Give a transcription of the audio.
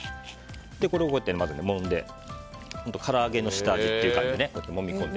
これをこうやってもんでから揚げの下味っていう感じでもみ込んで。